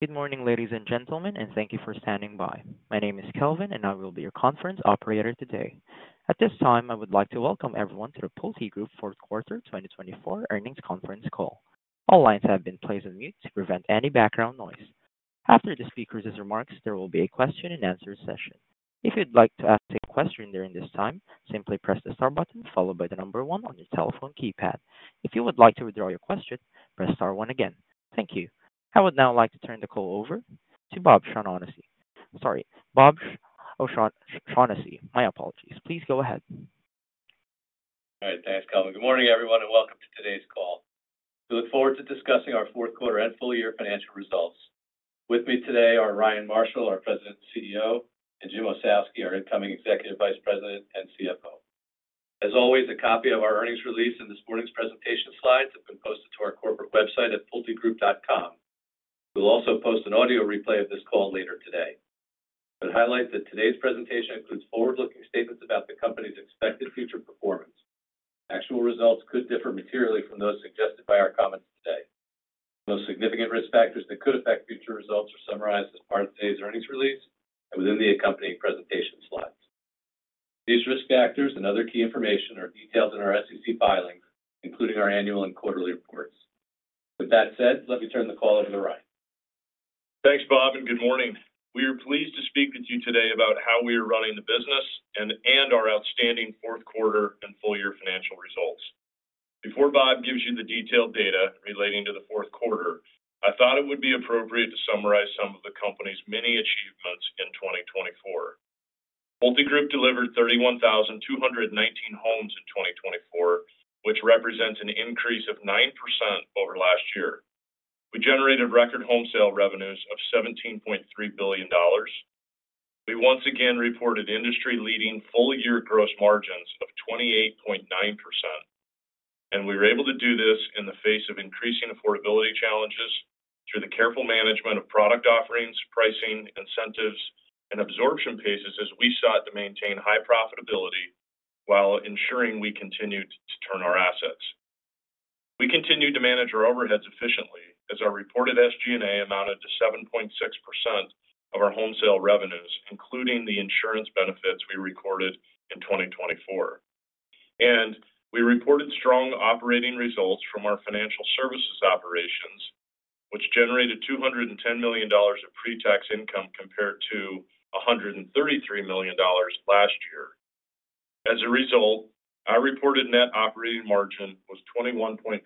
Good morning, ladies and gentlemen, and thank you for standing by. My name is Kelvin, and I will be your conference operator today. At this time, I would like to welcome everyone to the PulteGroup Fourth Quarter 2024 Earnings Conference Call. All lines have been placed on mute to prevent any background noise. After the speakers' remarks, there will be a question-and-answer session. If you'd like to ask a question during this time, simply press the star button followed by the number one on your telephone keypad. If you would like to withdraw your question, press star one again. Thank you. I would now like to turn the call over to Bob O'Shaughnessy. Sorry, Bob O'Shaughnessy. My apologies. Please go ahead. All right. Thanks, Kelvin. Good morning, everyone, and welcome to today's call. We look forward to discussing our fourth quarter and full-year financial results. With me today are Ryan Marshall, our President and CEO, and Jim Ossowski, our incoming Executive Vice President and CFO. As always, a copy of our earnings release and this morning's presentation slides have been posted to our corporate website at pultegroup.com. We'll also post an audio replay of this call later today. I'd highlight that today's presentation includes forward-looking statements about the company's expected future performance. Actual results could differ materially from those suggested by our comments today. The most significant risk factors that could affect future results are summarized as part of today's earnings release and within the accompanying presentation slides. These risk factors and other key information are detailed in our SEC filings, including our annual and quarterly reports. With that said, let me turn the call over to Ryan. Thanks, Bob, and good morning. We are pleased to speak with you today about how we are running the business and our outstanding fourth quarter and full-year financial results. Before Bob gives you the detailed data relating to the fourth quarter, I thought it would be appropriate to summarize some of the company's many achievements in 2024. PulteGroup delivered 31,219 homes in 2024, which represents an increase of 9% over last year. We generated record home sale revenues of $17.3 billion. We once again reported industry-leading full-year gross margins of 28.9%. And we were able to do this in the face of increasing affordability challenges through the careful management of product offerings, pricing, incentives, and absorption paces as we sought to maintain high profitability while ensuring we continued to turn our assets. We continued to manage our overheads efficiently as our reported SG&A amounted to 7.6% of our home sale revenues, including the insurance benefits we recorded in 2024. We reported strong operating results from our financial services operations, which generated $210 million of pre-tax income compared to $133 million last year. As a result, our reported net operating margin was 21.3%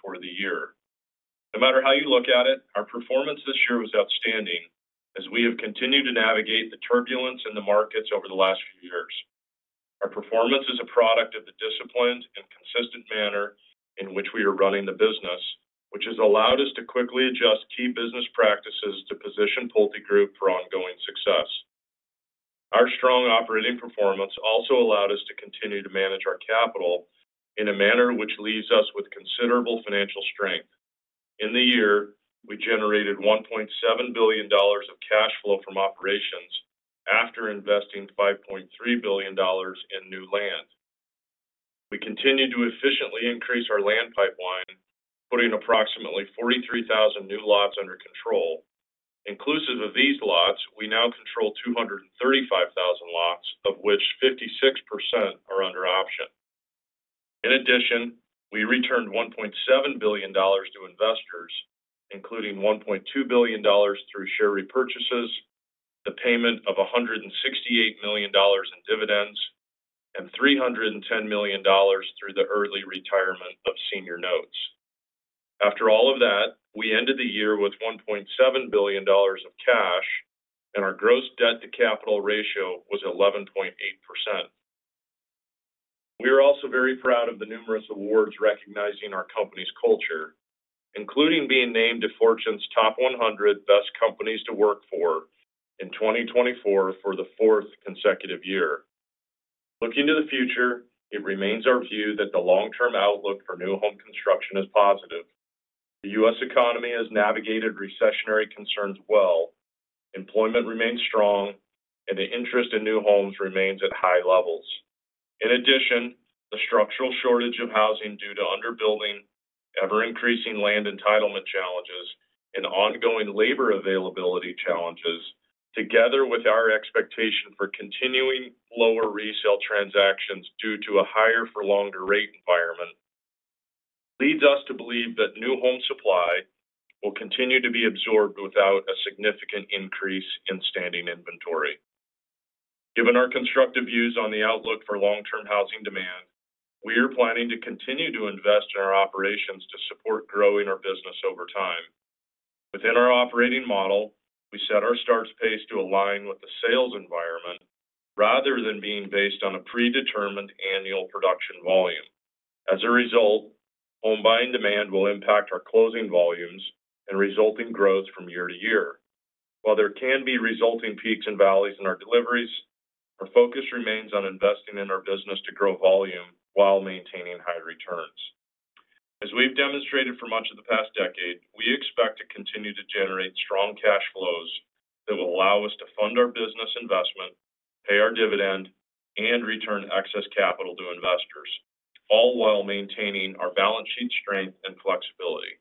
for the year. No matter how you look at it, our performance this year was outstanding as we have continued to navigate the turbulence in the markets over the last few years. Our performance is a product of the disciplined and consistent manner in which we are running the business, which has allowed us to quickly adjust key business practices to position PulteGroup for ongoing success. Our strong operating performance also allowed us to continue to manage our capital in a manner which leaves us with considerable financial strength. In the year, we generated $1.7 billion of cash flow from operations after investing $5.3 billion in new land. We continue to efficiently increase our land pipeline, putting approximately 43,000 new lots under control. Inclusive of these lots, we now control 235,000 lots, of which 56% are under option. In addition, we returned $1.7 billion to investors, including $1.2 billion through share repurchases, the payment of $168 million in dividends, and $310 million through the early retirement of senior notes. After all of that, we ended the year with $1.7 billion of cash, and our gross debt-to-capital ratio was 11.8%. We are also very proud of the numerous awards recognizing our company's culture, including being named Fortune's Top 100 Best Companies to Work For in 2024 for the fourth consecutive year. Looking to the future, it remains our view that the long-term outlook for new home construction is positive. The U.S. economy has navigated recessionary concerns well. Employment remains strong, and the interest in new homes remains at high levels. In addition, the structural shortage of housing due to underbuilding, ever-increasing land entitlement challenges, and ongoing labor availability challenges, together with our expectation for continuing lower resale transactions due to a higher-for-longer rate environment, leads us to believe that new home supply will continue to be absorbed without a significant increase in standing inventory. Given our constructive views on the outlook for long-term housing demand, we are planning to continue to invest in our operations to support growing our business over time. Within our operating model, we set our starts pace to align with the sales environment rather than being based on a predetermined annual production volume. As a result, home buying demand will impact our closing volumes and resulting growth from year to year. While there can be resulting peaks and valleys in our deliveries, our focus remains on investing in our business to grow volume while maintaining high returns. As we've demonstrated for much of the past decade, we expect to continue to generate strong cash flows that will allow us to fund our business investment, pay our dividend, and return excess capital to investors, all while maintaining our balance sheet strength and flexibility.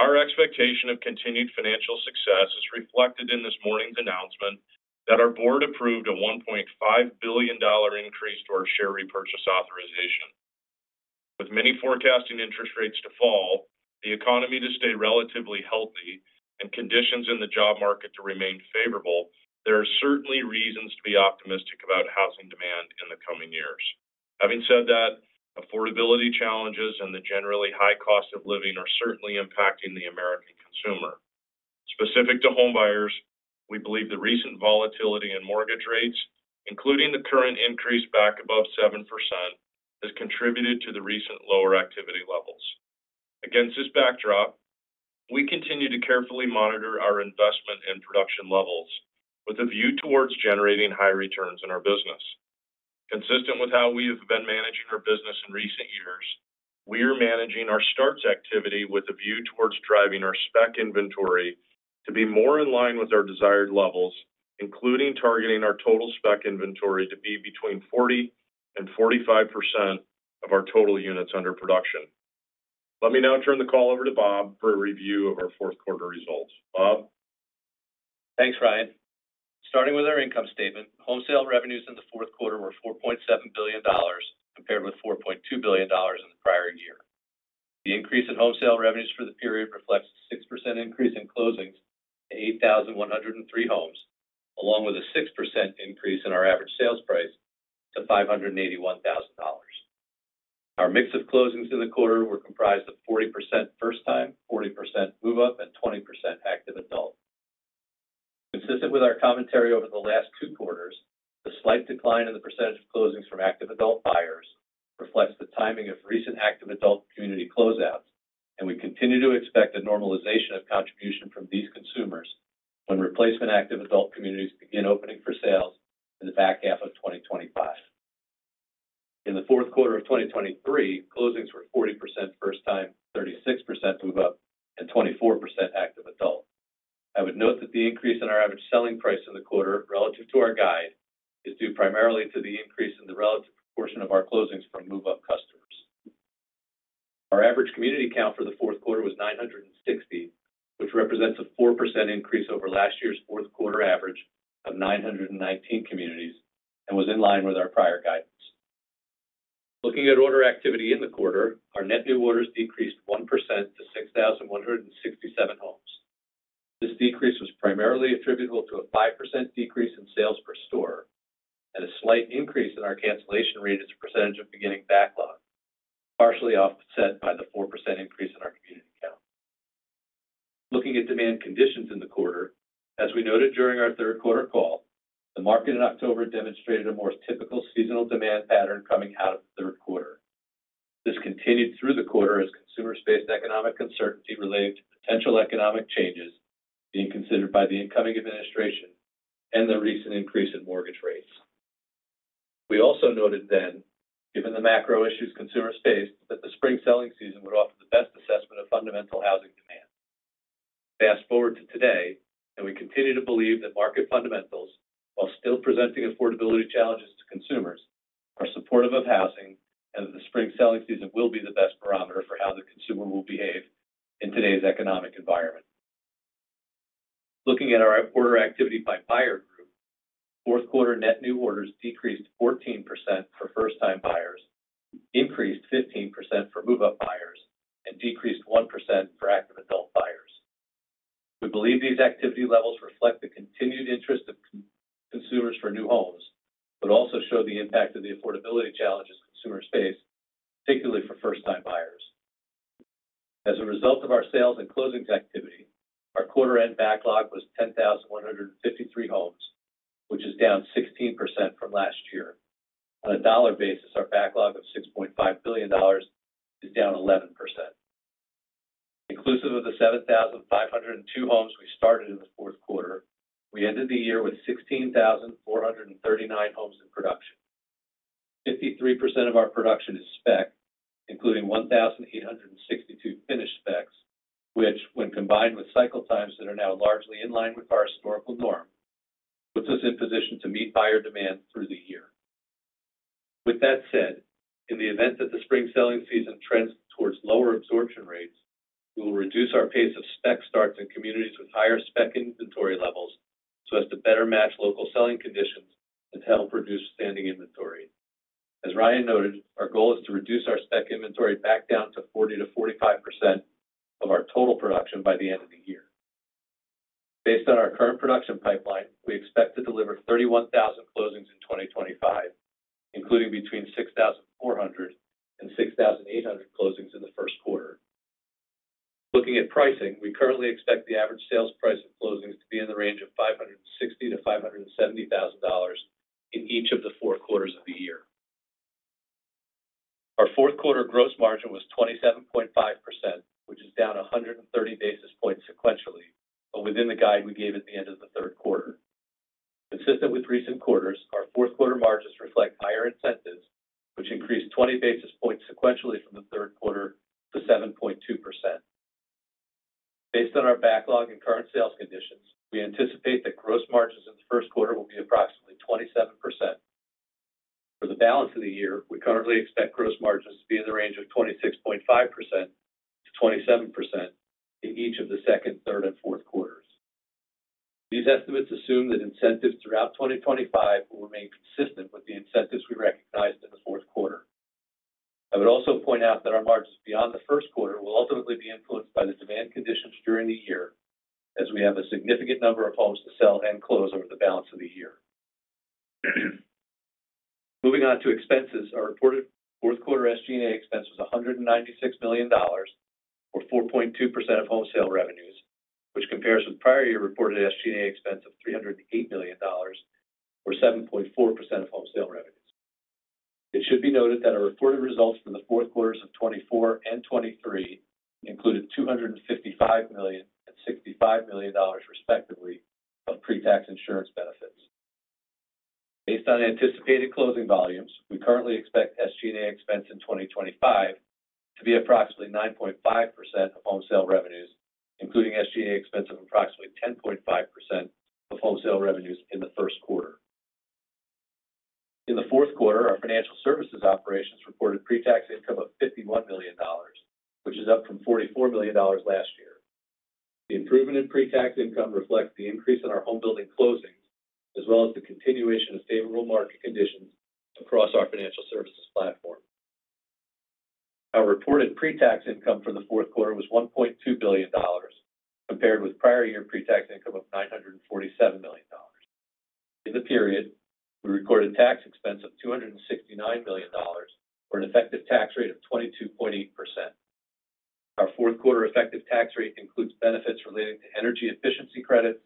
Our expectation of continued financial success is reflected in this morning's announcement that our board approved a $1.5 billion increase to our share repurchase authorization. With many forecasting interest rates to fall, the economy to stay relatively healthy, and conditions in the job market to remain favorable, there are certainly reasons to be optimistic about housing demand in the coming years. Having said that, affordability challenges and the generally high cost of living are certainly impacting the American consumer. Specific to home buyers, we believe the recent volatility in mortgage rates, including the current increase back above 7%, has contributed to the recent lower activity levels. Against this backdrop, we continue to carefully monitor our investment and production levels with a view towards generating high returns in our business. Consistent with how we have been managing our business in recent years, we are managing our starts activity with a view towards driving our spec inventory to be more in line with our desired levels, including targeting our total spec inventory to be between 40% and 45% of our total units under production. Let me now turn the call over to Bob for a review of our fourth quarter results. Bob? Thanks, Ryan. Starting with our income statement, home sale revenues in the fourth quarter were $4.7 billion compared with $4.2 billion in the prior year. The increase in home sale revenues for the period reflects a 6% increase in closings to 8,103 homes, along with a 6% increase in our average sales price to $581,000. Our mix of closings in the quarter were comprised of 40% first-time, 40% move-up, and 20% active adult. Consistent with our commentary over the last two quarters, the slight decline in the percentage of closings from active adult buyers reflects the timing of recent active adult community closeouts, and we continue to expect a normalization of contribution from these consumers when replacement active adult communities begin opening for sales in the back half of 2025. In the fourth quarter of 2023, closings were 40% first-time, 36% move-up, and 24% active adult. I would note that the increase in our average selling price in the quarter relative to our guide is due primarily to the increase in the relative proportion of our closings from move-up customers. Our average community count for the fourth quarter was 960, which represents a 4% increase over last year's fourth quarter average of 919 communities and was in line with our prior guidance. Looking at order activity in the quarter, our net new orders decreased 1% to 6,167 homes. This decrease was primarily attributable to a 5% decrease in sales per store and a slight increase in our cancellation rate as a percentage of beginning backlog, partially offset by the 4% increase in our community count. Looking at demand conditions in the quarter, as we noted during our third quarter call, the market in October demonstrated a more typical seasonal demand pattern coming out of the third quarter. This continued through the quarter as consumer-based economic uncertainty related to potential economic changes being considered by the incoming administration and the recent increase in mortgage rates. We also noted then, given the macro issues consumers faced, that the spring selling season would offer the best assessment of fundamental housing demand. Fast forward to today, and we continue to believe that market fundamentals, while still presenting affordability challenges to consumers, are supportive of housing and that the spring selling season will be the best barometer for how the consumer will behave in today's economic environment. Looking at our order activity by buyer group, fourth quarter net new orders decreased 14% for first-time buyers, increased 15% for move-up buyers, and decreased 1% for active adult buyers. We believe these activity levels reflect the continued interest of consumers for new homes but also show the impact of the affordability challenges consumers face, particularly for first-time buyers. As a result of our sales and closings activity, our quarter-end backlog was 10,153 homes, which is down 16% from last year. On a dollar basis, our backlog of $6.5 billion is down 11%. Inclusive of the 7,502 homes we started in the fourth quarter, we ended the year with 16,439 homes in production. 53% of our production is spec, including 1,862 finished specs, which, when combined with cycle times that are now largely in line with our historical norm, puts us in position to meet buyer demand through the year. With that said, in the event that the spring selling season trends towards lower absorption rates, we will reduce our pace of spec starts in communities with higher spec inventory levels so as to better match local selling conditions and help reduce standing inventory. As Ryan noted, our goal is to reduce our spec inventory back down to 40%-45% of our total production by the end of the year. Based on our current production pipeline, we expect to deliver 31,000 closings in 2025, including between 6,400 and 6,800 closings in the first quarter. Looking at pricing, we currently expect the average sales price of closings to be in the range of $560,000-$570,000 in each of the four quarters of the year. Our fourth quarter gross margin was 27.5%, which is down 130 basis points sequentially, but within the guide we gave at the end of the third quarter. Consistent with recent quarters, our fourth quarter margins reflect higher incentives, which increased 20 basis points sequentially from the third quarter to 7.2%. Based on our backlog and current sales conditions, we anticipate that gross margins in the first quarter will be approximately 27%. For the balance of the year, we currently expect gross margins to be in the range of 26.5%-27% in each of the second, third, and fourth quarters. These estimates assume that incentives throughout 2025 will remain consistent with the incentives we recognized in the fourth quarter. I would also point out that our margins beyond the first quarter will ultimately be influenced by the demand conditions during the year, as we have a significant number of homes to sell and close over the balance of the year. Moving on to expenses, our reported fourth quarter SG&A expense was $196 million, or 4.2% of home sale revenues, which compares with prior year reported SG&A expense of $308 million, or 7.4% of home sale revenues. It should be noted that our reported results for the fourth quarters of 2024 and 2023 included $255 million and $65 million, respectively, of pre-tax insurance benefits. Based on anticipated closing volumes, we currently expect SG&A expense in 2025 to be approximately 9.5% of home sale revenues, including SG&A expense of approximately 10.5% of home sale revenues in the first quarter. In the fourth quarter, our financial services operations reported pre-tax income of $51 million, which is up from $44 million last year. The improvement in pre-tax income reflects the increase in our home building closings, as well as the continuation of favorable market conditions across our financial services platform. Our reported pre-tax income for the fourth quarter was $1.2 billion, compared with prior year pre-tax income of $947 million. In the period, we recorded tax expense of $269 million, or an effective tax rate of 22.8%. Our fourth quarter effective tax rate includes benefits relating to energy efficiency credits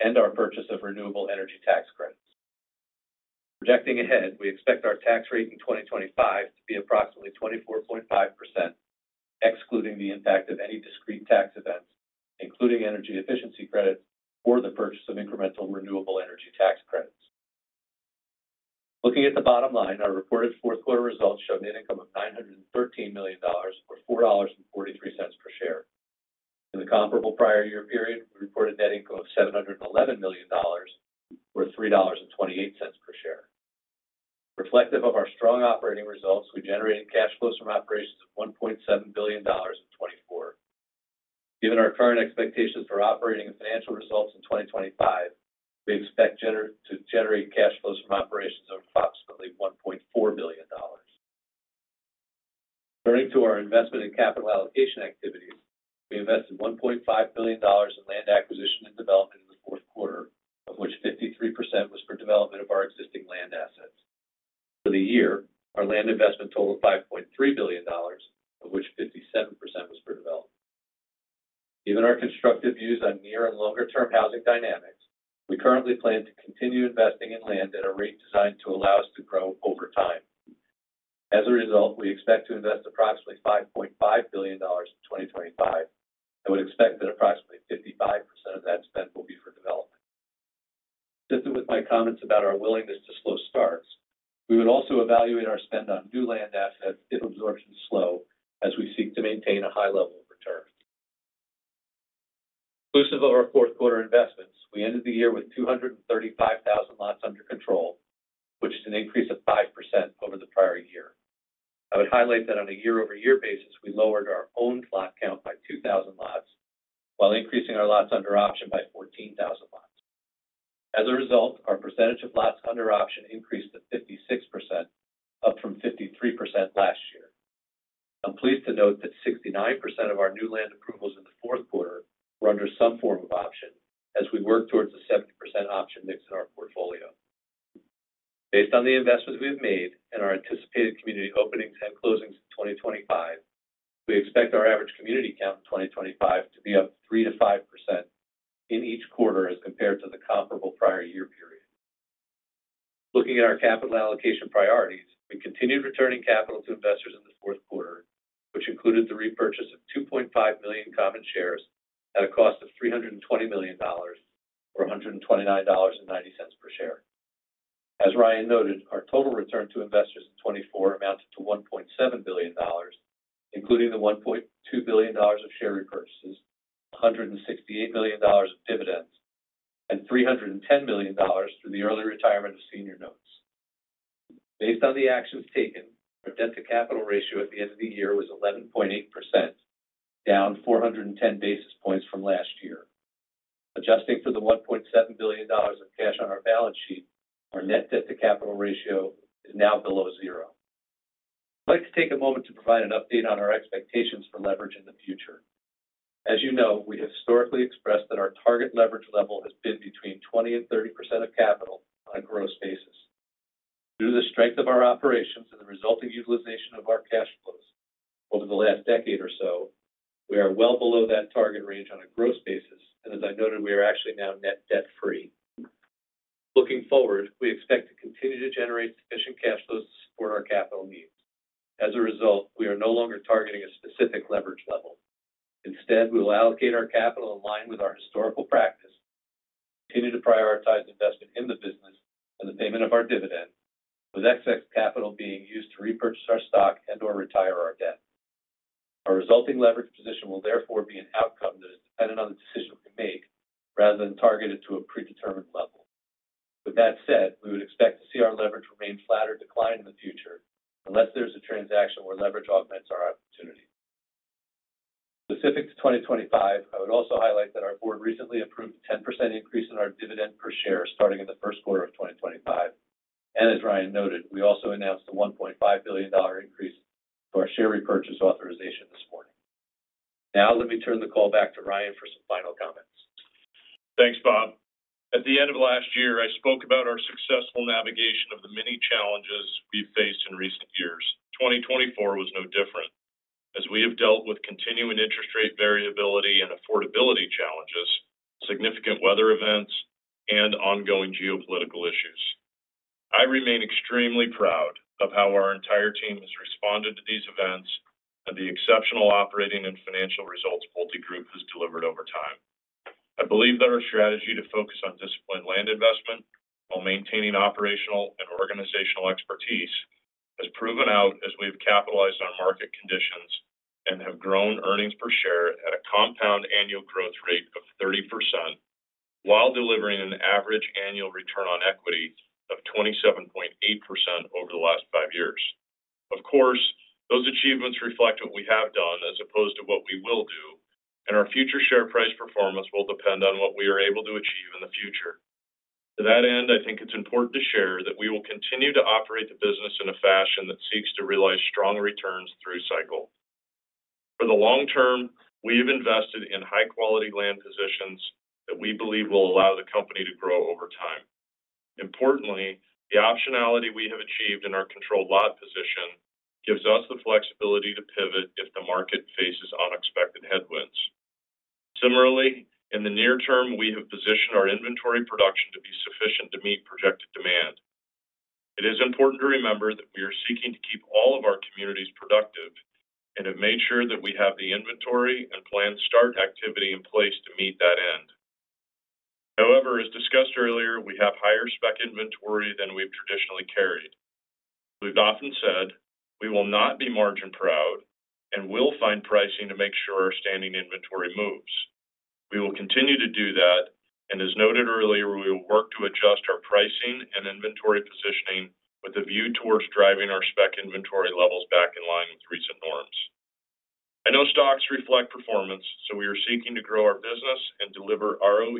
and our purchase of renewable energy tax credits. Projecting ahead, we expect our tax rate in 2025 to be approximately 24.5%, excluding the impact of any discrete tax events, including energy efficiency credits or the purchase of incremental renewable energy tax credits. Looking at the bottom line, our reported fourth quarter results showed net income of $913 million, or $4.43 per share. In the comparable prior year period, we reported net income of $711 million, or $3.28 per share. Reflective of our strong operating results, we generated cash flows from operations of $1.7 billion in 2024. Given our current expectations for operating and financial results in 2025, we expect to generate cash flows from operations of approximately $1.4 billion. Turning to our investment and capital allocation activities, we invested $1.5 billion in land acquisition and development in the fourth quarter, of which 53% was for development of our existing land assets. For the year, our land investment totaled $5.3 billion, of which 57% was for development. Given our constructive views on near and longer-term housing dynamics, we currently plan to continue investing in land at a rate designed to allow us to grow over time. As a result, we expect to invest approximately $5.5 billion in 2025 and would expect that approximately 55% of that spend will be for development. Consistent with my comments about our willingness to slow starts, we would also evaluate our spend on new land assets if absorptions slow as we seek to maintain a high level of return. Exclusive of our fourth quarter investments, we ended the year with 235,000 lots under control, which is an increase of 5% over the prior year. I would highlight that on a year-over-year basis, we lowered our owned lot count by 2,000 lots, while increasing our lots under option by 14,000 lots. As a result, our percentage of lots under option increased to 56%, up from 53% last year. I'm pleased to note that 69% of our new land approvals in the fourth quarter were under some form of option, as we work towards a 70% option mix in our portfolio. Based on the investments we have made and our anticipated community openings and closings in 2025, we expect our average community count in 2025 to be up 3%-5% in each quarter as compared to the comparable prior year period. Looking at our capital allocation priorities, we continued returning capital to investors in the fourth quarter, which included the repurchase of 2.5 million common shares at a cost of $320 million, or $129.90 per share. As Ryan noted, our total return to investors in 2024 amounted to $1.7 billion, including the $1.2 billion of share repurchases, $168 million of dividends, and $310 million through the early retirement of senior notes. Based on the actions taken, our debt-to-capital ratio at the end of the year was 11.8%, down 410 basis points from last year. Adjusting for the $1.7 billion of cash on our balance sheet, our net debt-to-capital ratio is now below zero. I'd like to take a moment to provide an update on our expectations for leverage in the future. As you know, we have historically expressed that our target leverage level has been between 20% and 30% of capital on a gross basis. Due to the strength of our operations and the resulting utilization of our cash flows over the last decade or so, we are well below that target range on a gross basis, and as I noted, we are actually now net debt-free. Looking forward, we expect to continue to generate sufficient cash flows to support our capital needs. As a result, we are no longer targeting a specific leverage level. Instead, we will allocate our capital in line with our historical practice, continue to prioritize investment in the business and the payment of our dividend, with excess capital being used to repurchase our stock and/or retire our debt. Our resulting leverage position will therefore be an outcome that is dependent on the decision we make, rather than targeted to a predetermined level. With that said, we would expect to see our leverage remain flat or decline in the future unless there is a transaction where leverage augments our opportunity. Specific to 2025, I would also highlight that our board recently approved a 10% increase in our dividend per share starting in the first quarter of 2025. And as Ryan noted, we also announced a $1.5 billion increase to our share repurchase authorization this morning. Now, let me turn the call back to Ryan for some final comments. Thanks, Bob. At the end of last year, I spoke about our successful navigation of the many challenges we've faced in recent years. 2024 was no different, as we have dealt with continuing interest rate variability and affordability challenges, significant weather events, and ongoing geopolitical issues. I remain extremely proud of how our entire team has responded to these events and the exceptional operating and financial results PulteGroup has delivered over time. I believe that our strategy to focus on disciplined land investment while maintaining operational and organizational expertise has proven out as we have capitalized on market conditions and have grown earnings per share at a compound annual growth rate of 30%, while delivering an average annual return on equity of 27.8% over the last five years. Of course, those achievements reflect what we have done as opposed to what we will do, and our future share price performance will depend on what we are able to achieve in the future. To that end, I think it's important to share that we will continue to operate the business in a fashion that seeks to realize strong returns through cycle. For the long term, we have invested in high-quality land positions that we believe will allow the company to grow over time. Importantly, the optionality we have achieved in our controlled lot position gives us the flexibility to pivot if the market faces unexpected headwinds. Similarly, in the near term, we have positioned our inventory production to be sufficient to meet projected demand. It is important to remember that we are seeking to keep all of our communities productive and have made sure that we have the inventory and planned start activity in place to meet that end. However, as discussed earlier, we have higher spec inventory than we've traditionally carried. We've often said, "We will not be margin proud," and we'll find pricing to make sure our standing inventory moves. We will continue to do that, and as noted earlier, we will work to adjust our pricing and inventory positioning with a view towards driving our spec inventory levels back in line with recent norms. I know stocks reflect performance, so we are seeking to grow our business and deliver ROE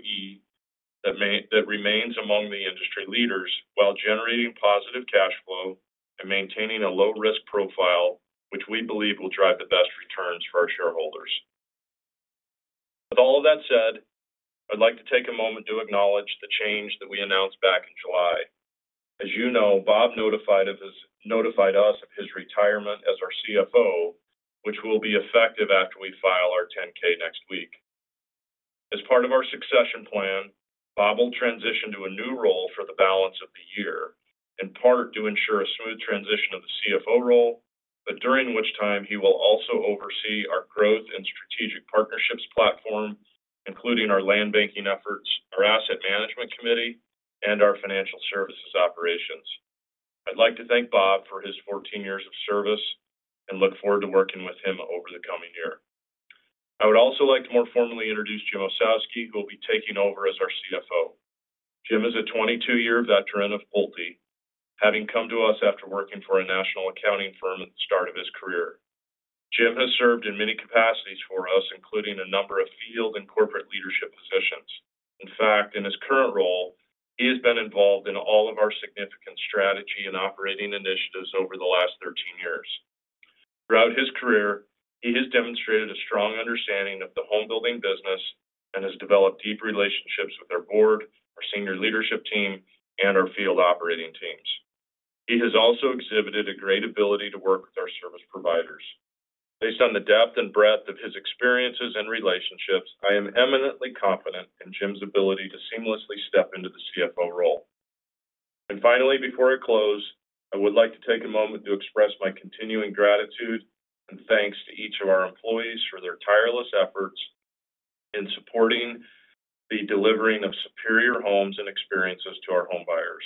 that remains among the industry leaders while generating positive cash flow and maintaining a low-risk profile, which we believe will drive the best returns for our shareholders. With all of that said, I'd like to take a moment to acknowledge the change that we announced back in July. As you know, Bob notified us of his retirement as our CFO, which will be effective after we file our 10-K next week. As part of our succession plan, Bob will transition to a new role for the balance of the year, in part to ensure a smooth transition of the CFO role, but during which time he will also oversee our growth and strategic partnerships platform, including our land banking efforts, our asset management committee, and our financial services operations. I'd like to thank Bob for his 14 years of service and look forward to working with him over the coming year. I would also like to more formally introduce Jim Ossowski, who will be taking over as our CFO. Jim is a 22-year veteran of Pulte, having come to us after working for a national accounting firm at the start of his career. Jim has served in many capacities for us, including a number of field and corporate leadership positions. In fact, in his current role, he has been involved in all of our significant strategy and operating initiatives over the last 13 years. Throughout his career, he has demonstrated a strong understanding of the home building business and has developed deep relationships with our board, our senior leadership team, and our field operating teams. He has also exhibited a great ability to work with our service providers. Based on the depth and breadth of his experiences and relationships, I am eminently confident in Jim's ability to seamlessly step into the CFO role. And finally, before I close, I would like to take a moment to express my continuing gratitude and thanks to each of our employees for their tireless efforts in supporting the delivering of superior homes and experiences to our homebuyers,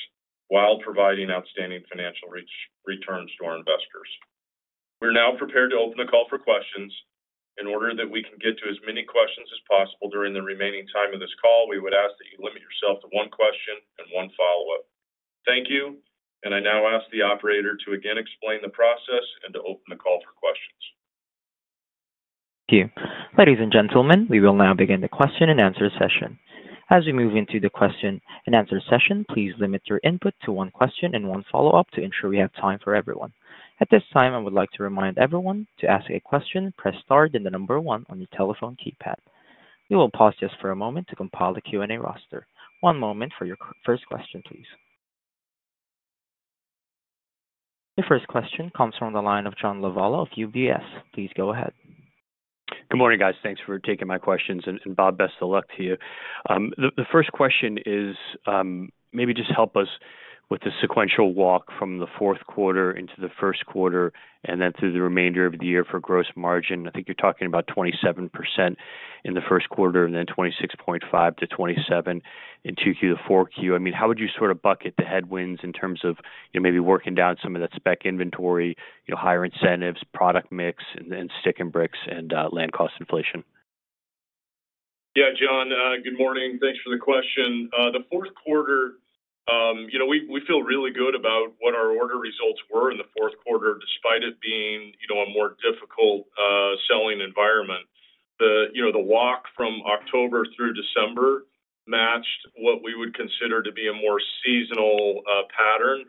while providing outstanding financial returns to our investors. We're now prepared to open the call for questions. In order that we can get to as many questions as possible during the remaining time of this call, we would ask that you limit yourself to one question and one follow-up. Thank you, and I now ask the operator to again explain the process and to open the call for questions. Thank you. Ladies and gentlemen, we will now begin the question and answer session. As we move into the question and answer session, please limit your input to one question and one follow-up to ensure we have time for everyone. At this time, I would like to remind everyone to ask a question and press star, then the number one on your telephone keypad. We will pause just for a moment to compile the Q&A roster. One moment for your first question, please. The first question comes from the line of John Lovallo of UBS. Please go ahead. Good morning, guys. Thanks for taking my questions, and Bob, best of luck to you. The first question is, maybe just help us with the sequential walk from the fourth quarter into the first quarter and then through the remainder of the year for gross margin. I think you're talking about 27% in the first quarter and then 26.5%-27% in Q2 to 4Q. I mean, how would you sort of bucket the headwinds in terms of maybe working down some of that spec inventory, higher incentives, product mix, and sticks and bricks and land cost inflation? Yeah, John, good morning. Thanks for the question. The fourth quarter, we feel really good about what our order results were in the fourth quarter, despite it being a more difficult selling environment. The walk from October through December matched what we would consider to be a more seasonal pattern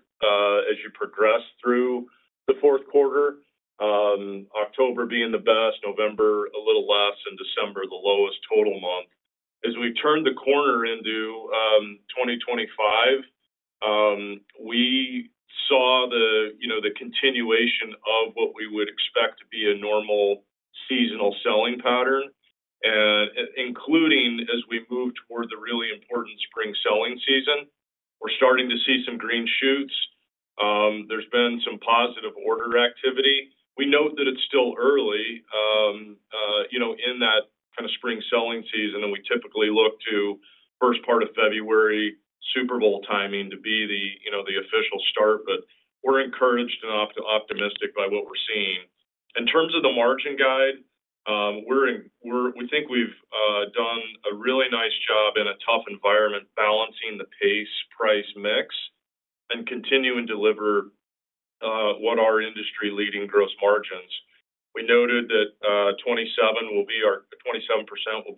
as you progress through the fourth quarter, October being the best, November a little less, and December the lowest total month. As we turned the corner into 2025, we saw the continuation of what we would expect to be a normal seasonal selling pattern, including as we move toward the really important spring selling season. We're starting to see some green shoots. There's been some positive order activity. We note that it's still early in that kind of spring selling season, and we typically look to first part of February Super Bowl timing to be the official start, but we're encouraged and optimistic by what we're seeing. In terms of the margin guide, we think we've done a really nice job in a tough environment balancing the pace, price, mix and continuing to deliver what our industry-leading gross margins. We noted that 27% will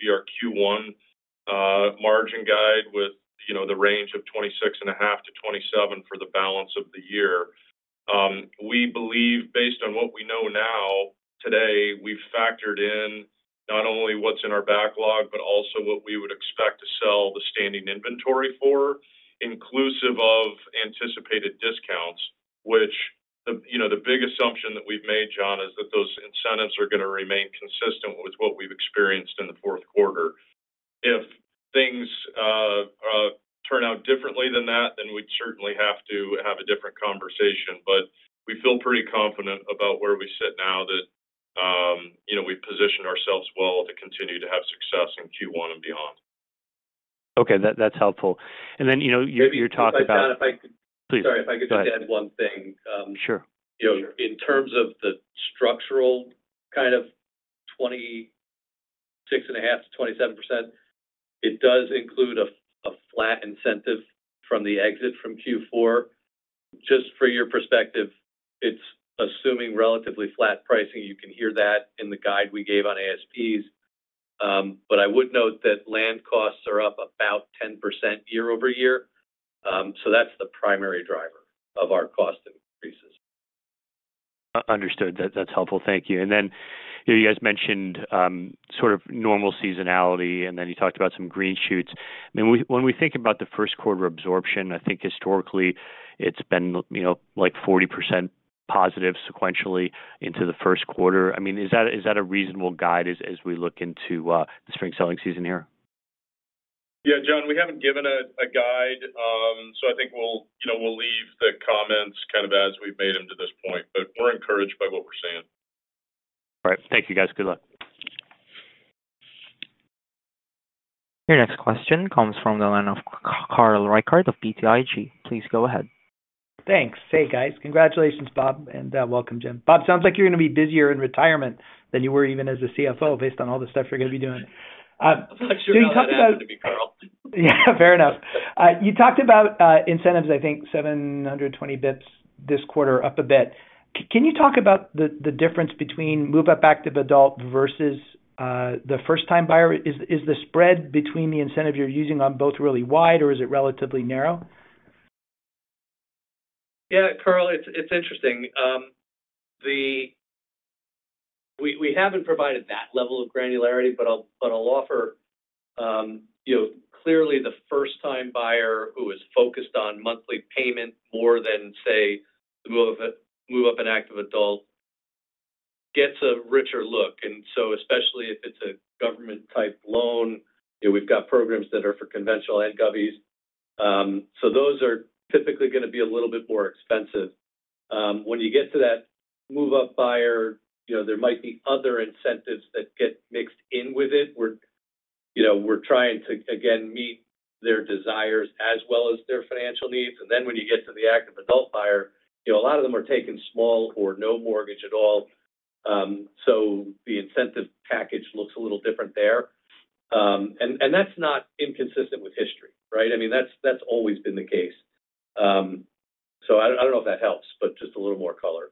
be our Q1 margin guide with the range of 26.5%-27% for the balance of the year. We believe, based on what we know now, today, we've factored in not only what's in our backlog, but also what we would expect to sell the standing inventory for, inclusive of anticipated discounts, with the big assumption that we've made, John, is that those incentives are going to remain consistent with what we've experienced in the fourth quarter. If things turn out differently than that, then we'd certainly have to have a different conversation, but we feel pretty confident about where we sit now that we've positioned ourselves well to continue to have success in Q1 and beyond. Okay, that's helpful. And then you're talking about. Please. Sorry. If I could just add one thing. Sure. In terms of the structural kind of 26.5%-27%, it does include a flat incentive from the exit from Q4. Just for your perspective, it's assuming relatively flat pricing. You can hear that in the guide we gave on ASPs, but I would note that land costs are up about 10% year-over-year. So that's the primary driver of our cost increases. Understood. That's helpful. Thank you. And then you guys mentioned sort of normal seasonality, and then you talked about some green shoots. I mean, when we think about the first quarter absorption, I think historically it's been like 40% positive sequentially into the first quarter. I mean, is that a reasonable guide as we look into the spring selling season here? Yeah, John, we haven't given a guide, so I think we'll leave the comments kind of as we've made them to this point, but we're encouraged by what we're seeing. All right. Thank you, guys. Good luck. Your next question comes from the line of Carl Reichardt of BTIG. Please go ahead. Thanks. Hey, guys. Congratulations, Bob, and welcome, Jim. Bob, it sounds like you're going to be busier in retirement than you were even as a CFO based on all the stuff you're going to be doing. I feel like you're not going to be careless. Yeah, fair enough. You talked about incentives, I think 720 basis points this quarter up a bit. Can you talk about the difference between move-up active adult versus the first-time buyer? Is the spread between the incentive you're using on both really wide, or is it relatively narrow? Yeah, Carl, it's interesting. We haven't provided that level of granularity, but I'll offer clearly the first-time buyer who is focused on monthly payment more than, say, the move-up and active adult gets a richer look. And so especially if it's a government-type loan, we've got programs that are for conventional and Govies. So those are typically going to be a little bit more expensive. When you get to that move-up buyer, there might be other incentives that get mixed in with it. We're trying to, again, meet their desires as well as their financial needs. And then when you get to the active adult buyer, a lot of them are taking small or no mortgage at all. So the incentive package looks a little different there. And that's not inconsistent with history, right? I mean, that's always been the case. So I don't know if that helps, but just a little more color.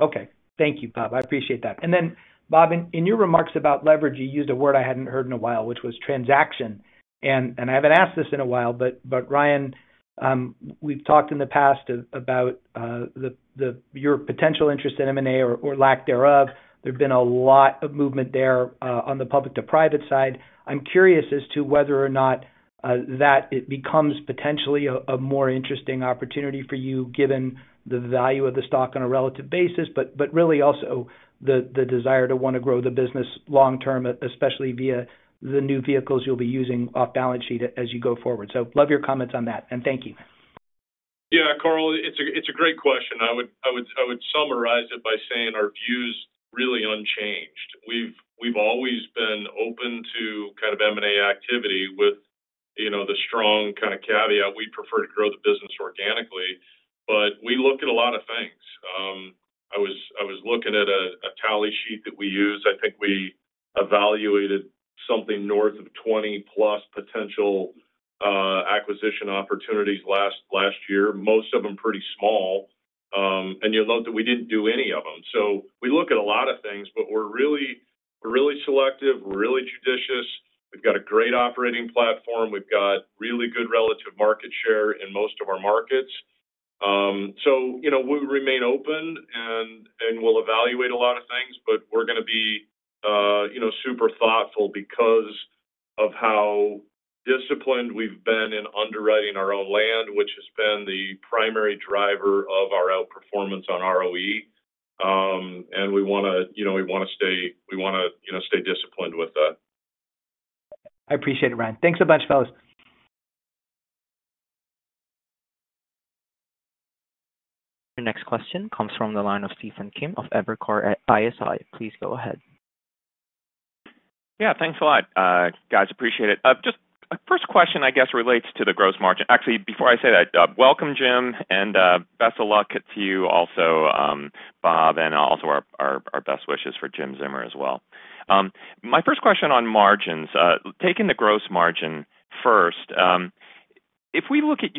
Okay. Thank you, Bob. I appreciate that. And then, Bob, in your remarks about leverage, you used a word I hadn't heard in a while, which was transaction. And I haven't asked this in a while, but Ryan, we've talked in the past about your potential interest in M&A or lack thereof. There's been a lot of movement there on the public-to-private side. I'm curious as to whether or not that it becomes potentially a more interesting opportunity for you given the value of the stock on a relative basis, but really also the desire to want to grow the business long-term, especially via the new vehicles you'll be using off balance sheet as you go forward. So love your comments on that. And thank you. Yeah, Carl, it's a great question. I would summarize it by saying our view is really unchanged. We've always been open to kind of M&A activity with the strong kind of caveat we prefer to grow the business organically, but we look at a lot of things. I was looking at a tally sheet that we use. I think we evaluated something north of 20-plus potential acquisition opportunities last year, most of them pretty small. And you'll note that we didn't do any of them. So we look at a lot of things, but we're really selective, we're really judicious. We've got a great operating platform. We've got really good relative market share in most of our markets. So we remain open and we'll evaluate a lot of things, but we're going to be super thoughtful because of how disciplined we've been in underwriting our own land, which has been the primary driver of our outperformance on ROE. And we want to stay disciplined with that. I appreciate it, Ryan. Thanks so much, fellows. Your next question comes from the line of Stephen Kim of Evercore ISI. Please go ahead. Yeah, thanks a lot, guys. Appreciate it. Just a first question, I guess, relates to the gross margin. Actually, before I say that, welcome, Jim. And best of luck to you also, Bob, and also our best wishes for Jim Zeumer as well. My first question on margins, taking the gross margin first, if we look at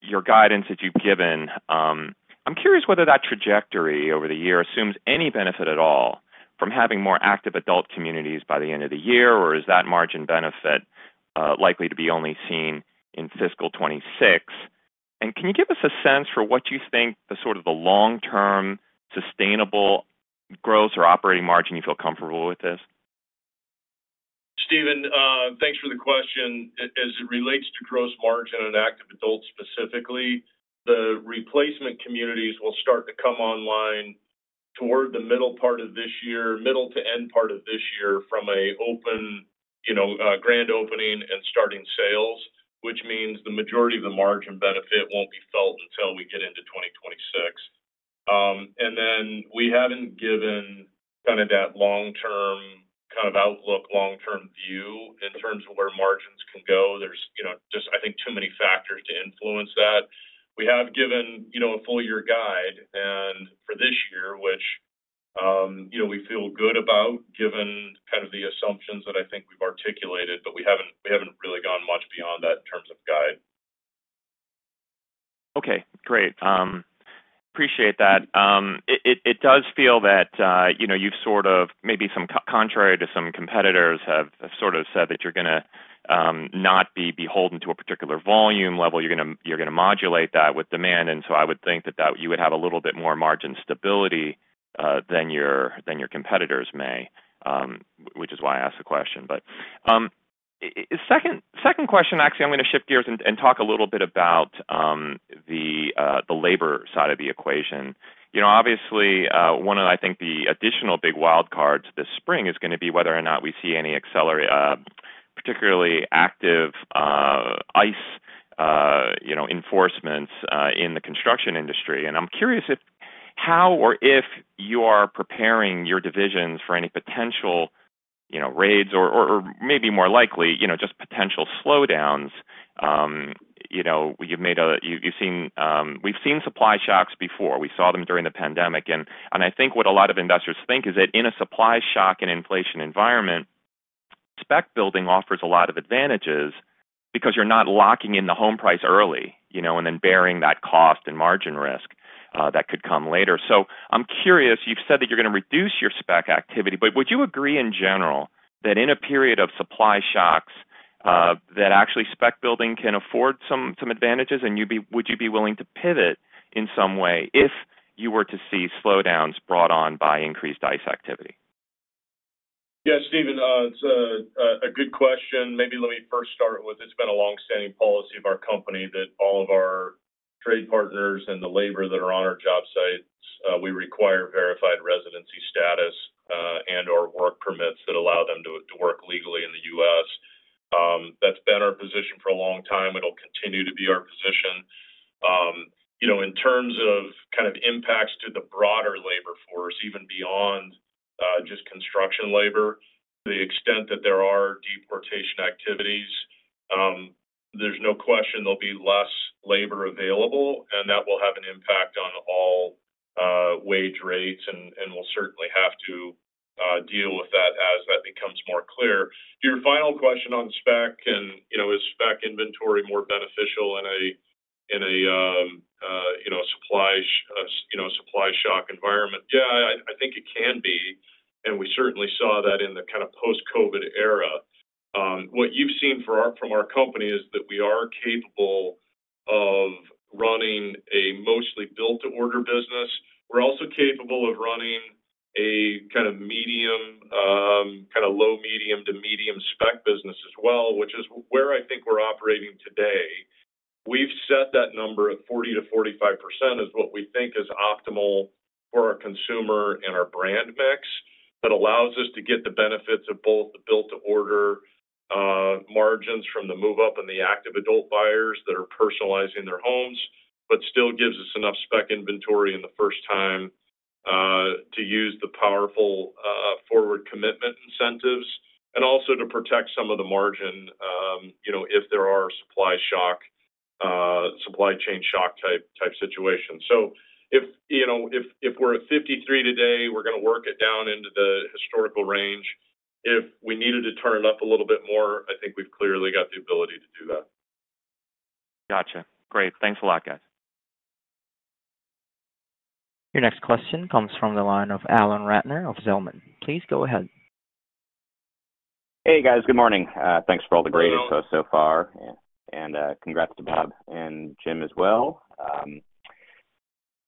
your guidance that you've given, I'm curious whether that trajectory over the year assumes any benefit at all from having more active adult communities by the end of the year, or is that margin benefit likely to be only seen in fiscal 2026? And can you give us a sense for what you think the sort of the long-term sustainable growth or operating margin you feel comfortable with is? Stephen, thanks for the question. As it relates to gross margin and active adults specifically, the replacement communities will start to come online toward the middle part of this year, middle to end part of this year from an open grand opening and starting sales, which means the majority of the margin benefit won't be felt until we get into 2026. And then we haven't given kind of that long-term kind of outlook, long-term view in terms of where margins can go. There's just, I think, too many factors to influence that. We have given a full-year guide for this year, which we feel good about given kind of the assumptions that I think we've articulated, but we haven't really gone much beyond that in terms of guide. Okay, great. Appreciate that. It does feel that you've sort of maybe contrary to some competitors have sort of said that you're going to not be beholden to a particular volume level. You're going to modulate that with demand. And so I would think that you would have a little bit more margin stability than your competitors may, which is why I asked the question. Second question, actually, I'm going to shift gears and talk a little bit about the labor side of the equation. Obviously, one of, I think, the additional big wild cards this spring is going to be whether or not we see any particularly active ICE enforcement in the construction industry. And I'm curious how or if you are preparing your divisions for any potential raids or maybe more likely just potential slowdowns. You've seen we've seen supply shocks before. We saw them during the pandemic. And I think what a lot of investors think is that in a supply shock and inflation environment, spec building offers a lot of advantages because you're not locking in the home price early and then bearing that cost and margin risk that could come later. So I'm curious, you've said that you're going to reduce your spec activity, but would you agree in general that in a period of supply shocks that actually spec building can afford some advantages, and would you be willing to pivot in some way if you were to see slowdowns brought on by increased ICE activity? Yeah, Stephen, it's a good question. Maybe let me first start with it's been a long-standing policy of our company that all of our trade partners and the labor that are on our job sites, we require verified residency status and/or work permits that allow them to work legally in the U.S. That's been our position for a long time. It'll continue to be our position. In terms of kind of impacts to the broader labor force, even beyond just construction labor, to the extent that there are deportation activities, there's no question there'll be less labor available, and that will have an impact on all wage rates and will certainly have to deal with that as that becomes more clear. Your final question on spec, and is spec inventory more beneficial in a supply shock environment? Yeah, I think it can be, and we certainly saw that in the kind of post-COVID era. What you've seen from our company is that we are capable of running a mostly built-to-order business. We're also capable of running a kind of medium, kind of low-medium to medium spec business as well, which is where I think we're operating today. We've set that number at 40%-45% is what we think is optimal for our consumer and our brand mix that allows us to get the benefits of both the built-to-order margins from the move-up and the active adult buyers that are personalizing their homes, but still gives us enough spec inventory in the first time to use the powerful forward commitment incentives and also to protect some of the margin if there are supply shock, supply chain shock type situations. So if we're at 53% today, we're going to work it down into the historical range. If we needed to turn it up a little bit more, I think we've clearly got the ability to do that. Gotcha. Great. Thanks a lot, guys. Your next question comes from the line of Alan Ratner of Zelman. Please go ahead. Hey, guys. Good morning. Thanks for all the great info so far, and congrats to Bob and Jim as well.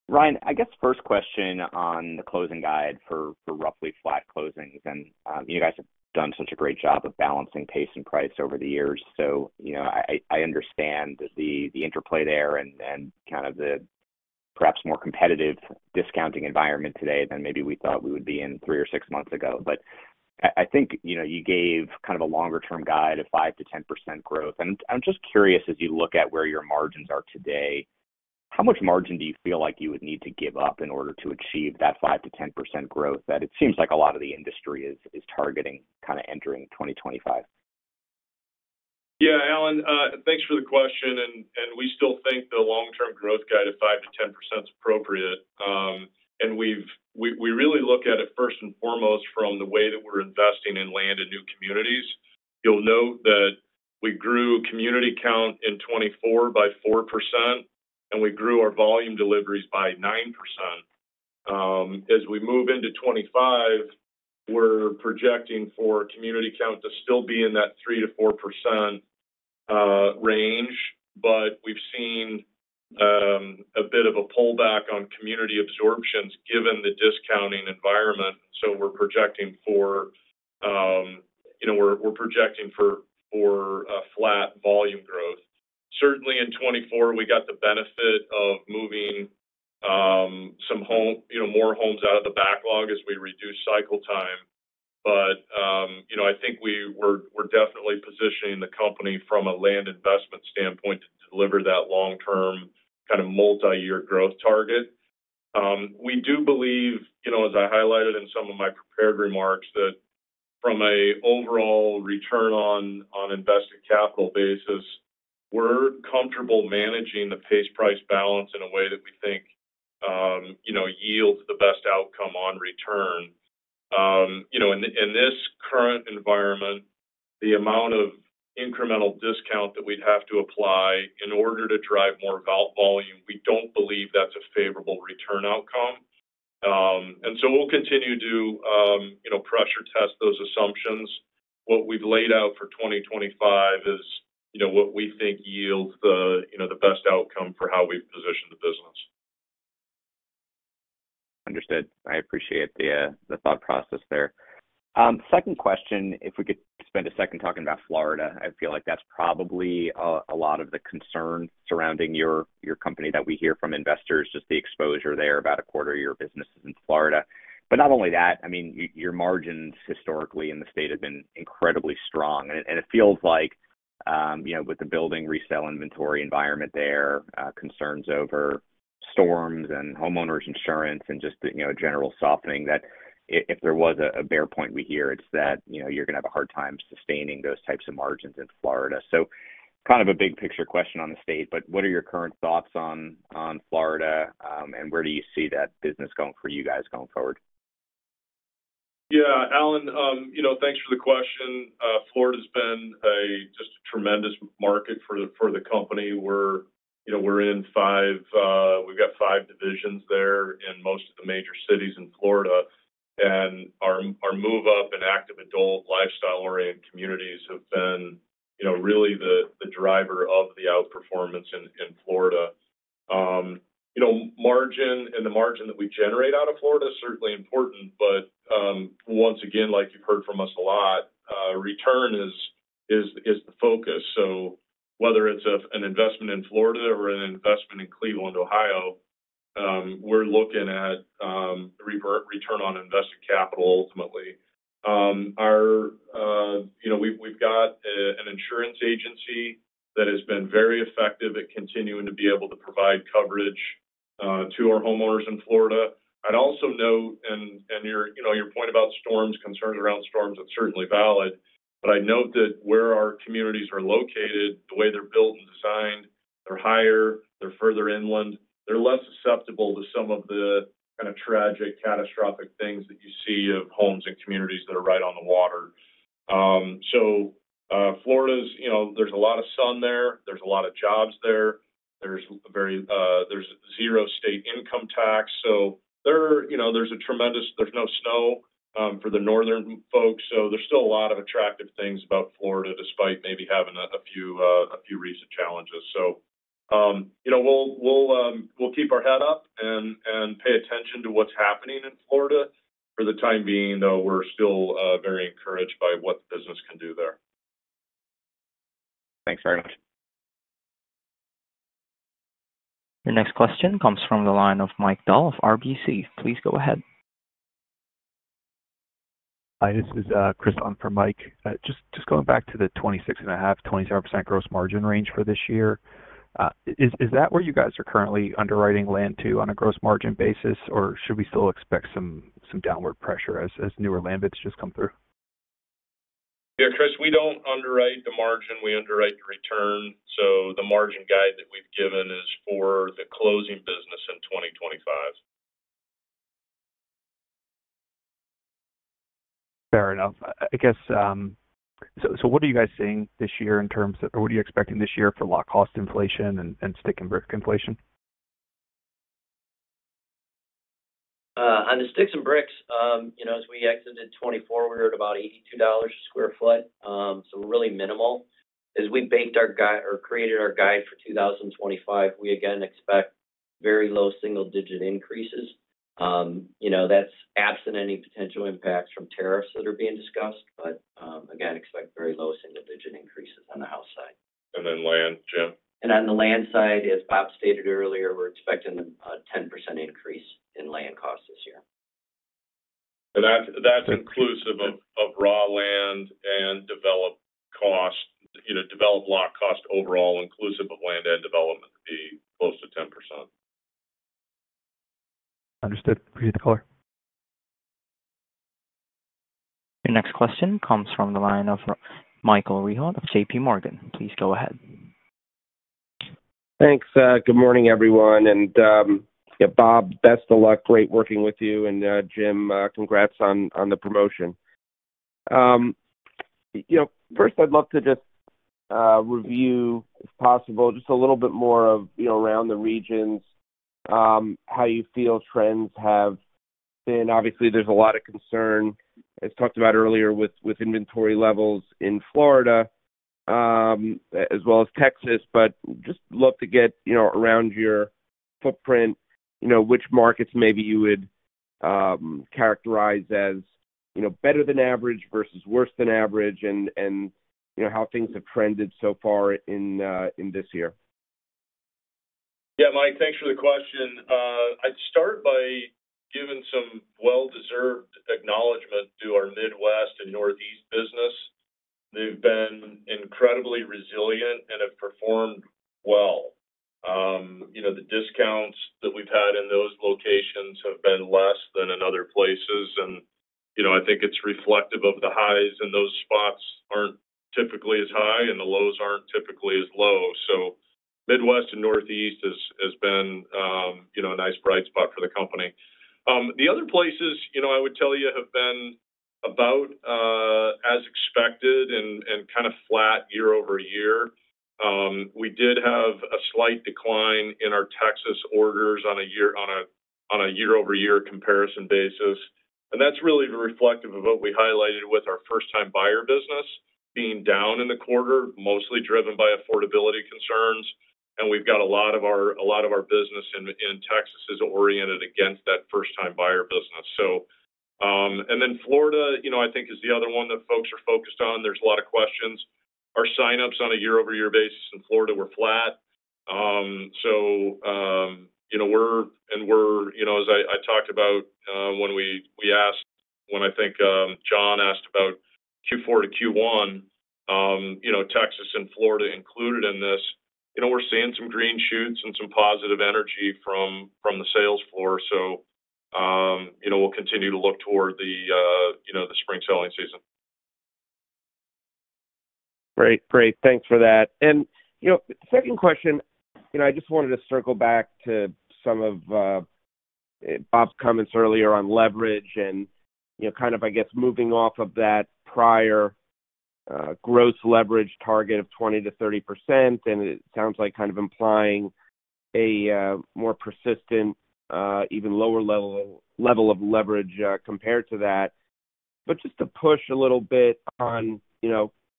Ryan, I guess first question on the closing guide for roughly flat closings, and you guys have done such a great job of balancing pace and price over the years, so I understand the interplay there and kind of the perhaps more competitive discounting environment today than maybe we thought we would be in three or six months ago, but I think you gave kind of a longer-term guide of 5%-10% growth, and I'm just curious, as you look at where your margins are today, how much margin do you feel like you would need to give up in order to achieve that 5%-10% growth that it seems like a lot of the industry is targeting kind of entering 2025? Yeah, Alan, thanks for the question. We still think the long-term growth guide of 5%-10% is appropriate. We really look at it first and foremost from the way that we're investing in land in new communities. You'll note that we grew community count in 2024 by 4%, and we grew our volume deliveries by 9%. As we move into 2025, we're projecting for community count to still be in that 3%-4% range, but we've seen a bit of a pullback on community absorptions given the discounting environment. We're projecting for flat volume growth. Certainly, in 2024, we got the benefit of moving some more homes out of the backlog as we reduce cycle time. I think we're definitely positioning the company from a land investment standpoint to deliver that long-term kind of multi-year growth target. We do believe, as I highlighted in some of my prepared remarks, that from an overall return on invested capital basis, we're comfortable managing the pace price balance in a way that we think yields the best outcome on return. In this current environment, the amount of incremental discount that we'd have to apply in order to drive more volume, we don't believe that's a favorable return outcome. And so we'll continue to pressure test those assumptions. What we've laid out for 2025 is what we think yields the best outcome for how we've positioned the business. Understood. I appreciate the thought process there. Second question, if we could spend a second talking about Florida. I feel like that's probably a lot of the concern surrounding your company that we hear from investors, just the exposure there, about a quarter of your business is in Florida. But not only that, I mean, your margins historically in the state have been incredibly strong. And it feels like with the building resale inventory environment there, concerns over storms and homeowners insurance and just general softening, that if there was a bear point we hear, it's that you're going to have a hard time sustaining those types of margins in Florida. So kind of a big picture question on the state, but what are your current thoughts on Florida and where do you see that business going for you guys going forward? Yeah, Alan, thanks for the question. Florida has been just a tremendous market for the company. We're in five. We've got five divisions there in most of the major cities in Florida. And our move-up and active adult lifestyle-oriented communities have been really the driver of the outperformance in Florida. Margin and the margin that we generate out of Florida is certainly important, but once again, like you've heard from us a lot, return is the focus, so whether it's an investment in Florida or an investment in Cleveland, Ohio, we're looking at return on invested capital ultimately. We've got an insurance agency that has been very effective at continuing to be able to provide coverage to our homeowners in Florida. I'd also note, and your point about storms, concerns around storms are certainly valid, but I'd note that where our communities are located, the way they're built and designed, they're higher, they're further inland, they're less susceptible to some of the kind of tragic, catastrophic things that you see of homes and communities that are right on the water, so Florida's, there's a lot of sun there. There's a lot of jobs there. There's zero state income tax. So there's a tremendous, there's no snow for the northern folks. So there's still a lot of attractive things about Florida despite maybe having a few recent challenges. So we'll keep our head up and pay attention to what's happening in Florida. For the time being, though, we're still very encouraged by what the business can do there. Thanks very much. Your next question comes from the line of Mike Dahl of RBC. Please go ahead. Hi, this is Chris. On for Mike. Just going back to the 26.5%-27% gross margin range for this year, is that where you guys are currently underwriting land too on a gross margin basis, or should we still expect some downward pressure as newer land bids just come through? Yeah, Chris, we don't underwrite the margin. We underwrite the return. The margin guide that we've given is for the closing business in 2025. Fair enough. I guess, so what are you guys seeing this year in terms of, or what are you expecting this year for lot cost inflation and sticks and bricks inflation? On the sticks and bricks, as we exited 2024, we were at about $82 sq ft. So really minimal. As we baked our guide or created our guide for 2025, we again expect very low single-digit increases. That's absent any potential impacts from tariffs that are being discussed, but again, expect very low single-digit increases on the house side. And then land, Jim? And on the land side, as Bob stated earlier, we're expecting a 10% increase in land costs this year. And that's inclusive of raw land and developed cost, developed lot cost overall, inclusive of land and development to be close to 10%. Understood. Appreciate the caller. Your next question comes from the line of Michael Rehaut of JPMorgan. Please go ahead. Thanks. Good morning, everyone. And yeah, Bob, best of luck. Great working with you. And Jim, congrats on the promotion. First, I'd love to just review, if possible, just a little bit more around the regions, how you feel trends have been. Obviously, there's a lot of concern, as talked about earlier, with inventory levels in Florida as well as Texas, but just love to get around your footprint, which markets maybe you would characterize as better than average versus worse than average, and how things have trended so far in this year. Yeah, Mike, thanks for the question. I'd start by giving some well-deserved acknowledgment to our Midwest and Northeast business. They've been incredibly resilient and have performed well. The discounts that we've had in those locations have been less than in other places, and I think it's reflective of the highs in those spots aren't typically as high, and the lows aren't typically as low, so Midwest and Northeast has been a nice bright spot for the company. The other places, I would tell you, have been about as expected and kind of flat year-over-year. We did have a slight decline in our Texas orders on a year-over-year comparison basis, and that's really reflective of what we highlighted with our first-time buyer business being down in the quarter, mostly driven by affordability concerns, and we've got a lot of our business in Texas is oriented against that first-time buyer business. Then Florida, I think, is the other one that folks are focused on. There's a lot of questions. Our signups on a year-over-year basis in Florida were flat. So we're, as I talked about when we asked, when I think John asked about Q4 to Q1, Texas and Florida included in this, we're seeing some green shoots and some positive energy from the sales floor. So we'll continue to look toward the spring selling season. Great. Great. Thanks for that. Second question, I just wanted to circle back to some of Bob's comments earlier on leverage and kind of, I guess, moving off of that prior gross leverage target of 20%-30%. It sounds like kind of implying a more persistent, even lower level of leverage compared to that. Just to push a little bit on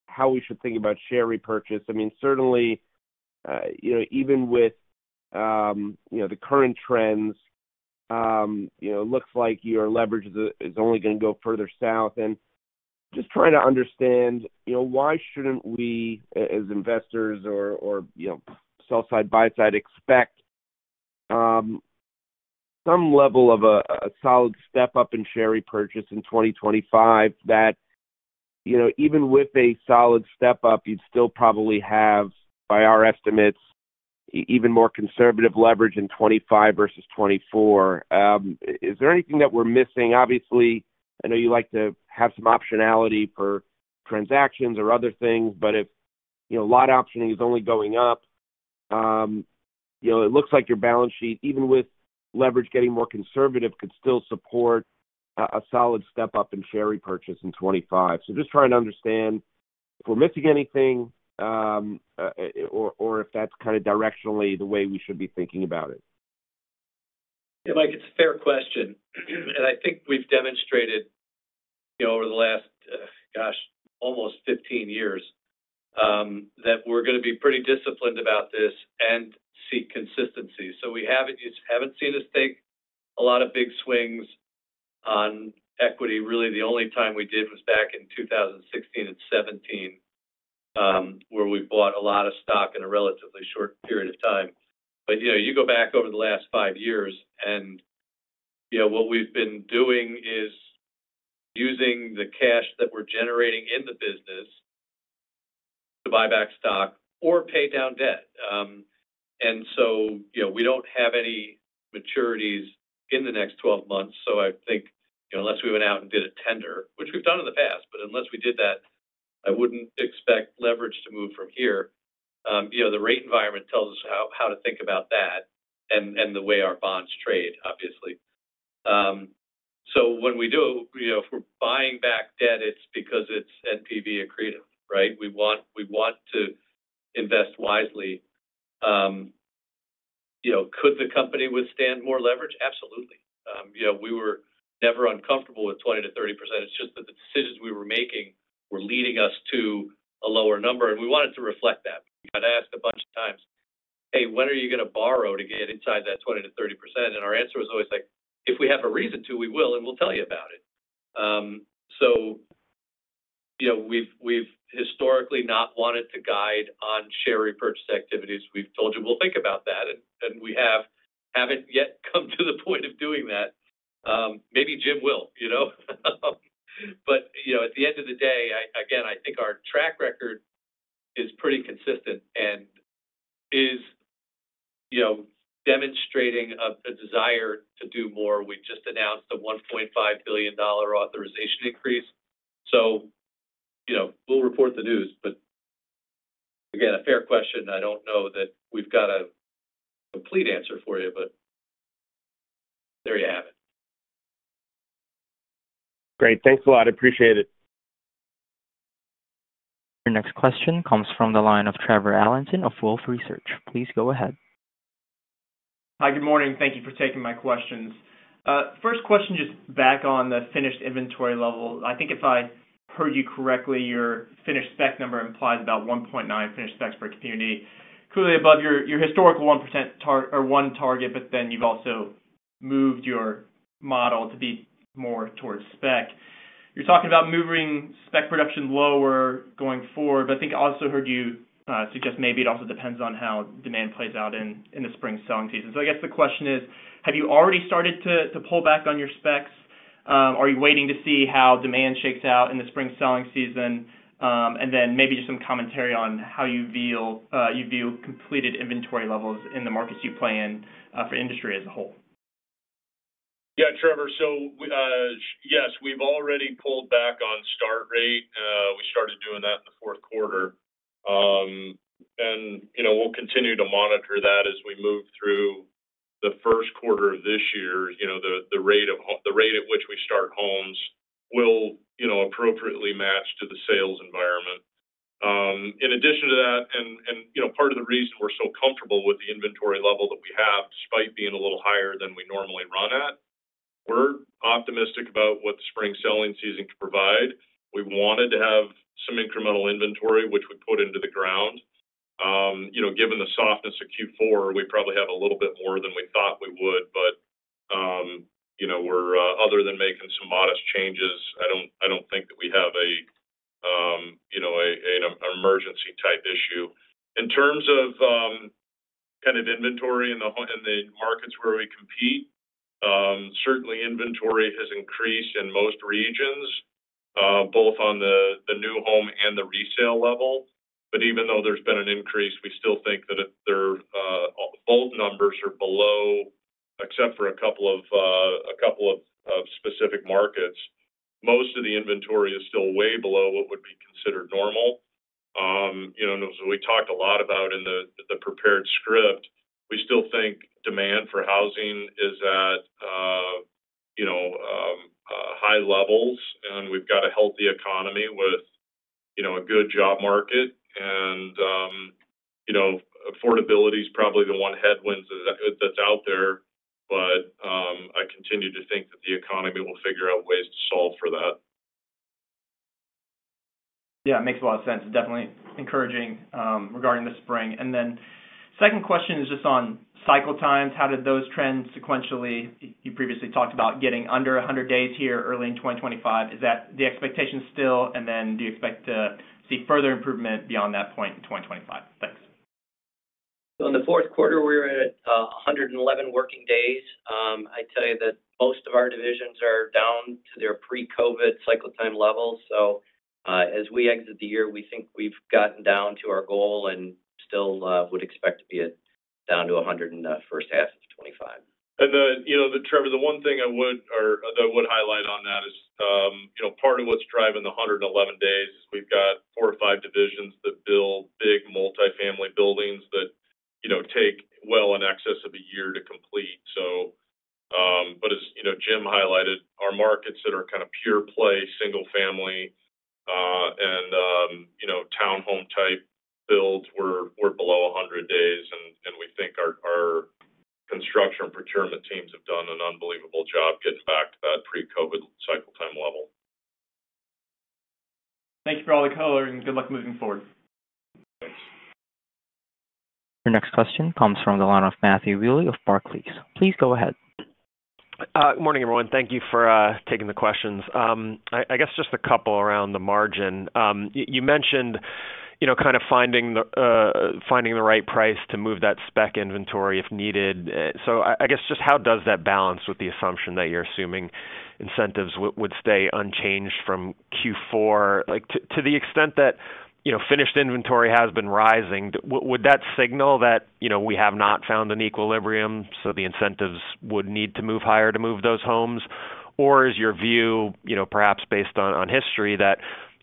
how we should think about share repurchase. I mean, certainly, even with the current trends, it looks like your leverage is only going to go further south. And just trying to understand why shouldn't we, as investors or sell-side, buy-side, expect some level of a solid step up in share repurchase in 2025, that even with a solid step up, you'd still probably have, by our estimates, even more conservative leverage in 2025 versus 2024. Is there anything that we're missing? Obviously, I know you like to have some optionality for transactions or other things, but if lot optioning is only going up, it looks like your balance sheet, even with leverage getting more conservative, could still support a solid step up in share repurchase in 2025. So just trying to understand if we're missing anything or if that's kind of directionally the way we should be thinking about it. Yeah, Mike, it's a fair question. I think we've demonstrated over the last, gosh, almost 15 years that we're going to be pretty disciplined about this and seek consistency. So we haven't seen us take a lot of big swings on equity. Really, the only time we did was back in 2016 and 2017, where we bought a lot of stock in a relatively short period of time. But you go back over the last five years, and what we've been doing is using the cash that we're generating in the business to buy back stock or pay down debt. And so we don't have any maturities in the next 12 months. So I think unless we went out and did a tender, which we've done in the past, but unless we did that, I wouldn't expect leverage to move from here. The rate environment tells us how to think about that and the way our bonds trade, obviously. So when we do, if we're buying back debt, it's because it's NPV accretive, right? We want to invest wisely. Could the company withstand more leverage? Absolutely. We were never uncomfortable with 20%-30%. It's just that the decisions we were making were leading us to a lower number. And we wanted to reflect that. We got asked a bunch of times, "Hey, when are you going to borrow to get inside that 20%-30%?" And our answer was always like, "If we have a reason to, we will, and we'll tell you about it." So we've historically not wanted to guide on share repurchase activities. We've told you we'll think about that, and we haven't yet come to the point of doing that. Maybe Jim will. But at the end of the day, again, I think our track record is pretty consistent and is demonstrating a desire to do more. We just announced a $1.5 billion authorization increase. So we'll report the news. But again, a fair question. I don't know that we've got a complete answer for you, but there you have it. Great. Thanks a lot. Appreciate it. Your next question comes from the line of Trevor Allinson of Wolfe Research. Please go ahead. Hi, good morning. Thank you for taking my questions. First question, just back on the finished inventory level. I think if I heard you correctly, your finished spec number implies about 1.9 finished specs per community. Clearly, above your historical 1% target, but then you've also moved your model to be more towards spec. You're talking about moving spec production lower going forward, but I think I also heard you suggest maybe it also depends on how demand plays out in the spring selling season. So I guess the question is, have you already started to pull back on your specs? Are you waiting to see how demand shakes out in the spring selling season? And then maybe just some commentary on how you view completed inventory levels in the markets you play in for industry as a whole. Yeah, Trevor. So yes, we've already pulled back on start rate. We started doing that in the fourth quarter. And we'll continue to monitor that as we move through the first quarter of this year. The rate at which we start homes will appropriately match to the sales environment. In addition to that, and part of the reason we're so comfortable with the inventory level that we have, despite being a little higher than we normally run at, we're optimistic about what the spring selling season can provide. We wanted to have some incremental inventory, which we put into the ground. Given the softness of Q4, we probably have a little bit more than we thought we would, but other than making some modest changes, I don't think that we have an emergency-type issue. In terms of kind of inventory in the markets where we compete, certainly inventory has increased in most regions, both on the new home and the resale level. But even though there's been an increase, we still think that both numbers are below, except for a couple of specific markets. Most of the inventory is still way below what would be considered normal. As we talked a lot about in the prepared script, we still think demand for housing is at high levels, and we've got a healthy economy with a good job market. Affordability is probably the one headwind that's out there, but I continue to think that the economy will figure out ways to solve for that. Yeah, it makes a lot of sense. It's definitely encouraging regarding the spring. Then second question is just on cycle times. How did those trends sequentially? You previously talked about getting under 100 days here early in 2025. Is that the expectation still? And then do you expect to see further improvement beyond that point in 2025? Thanks. In the fourth quarter, we were at 111 working days. I tell you that most of our divisions are down to their pre-COVID cycle time levels. As we exit the year, we think we've gotten down to our goal and still would expect to be down to 100 in the first half of 2025. And Trevor, the one thing I would highlight on that is part of what's driving the 111 days is we've got four or five divisions that build big multifamily buildings that take well in excess of a year to complete. But as Jim highlighted, our markets that are kind of pure play, single-family, and townhome-type builds were below 100 days, and we think our construction procurement teams have done an unbelievable job getting back to that pre-COVID cycle time level. Thanks for all the color and good luck moving forward. Thanks. Your next question comes from the line of Matthew Bouley of Barclays. Please go ahead. Good morning, everyone. Thank you for taking the questions. I guess just a couple around the margin. You mentioned kind of finding the right price to move that spec inventory if needed. So I guess just how does that balance with the assumption that you're assuming incentives would stay unchanged from Q4? To the extent that finished inventory has been rising, would that signal that we have not found an equilibrium, so the incentives would need to move higher to move those homes? Or is your view, perhaps based on history, that